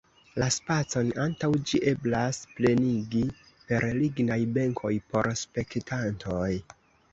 La spacon antaŭ ĝi eblas plenigi per lignaj benkoj por spektantoj.